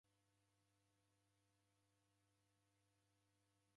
Kwakii kwakora taa nadime?